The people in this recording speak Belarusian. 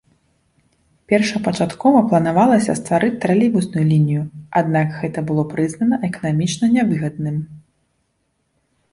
Першапачаткова планавалася стварыць тралейбусную лінію, аднак гэта было прызнана эканамічна нявыгадным.